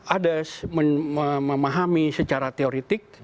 ada memahami secara teoritik